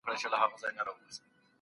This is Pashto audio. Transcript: هغې ته درد لا ژوندی دی.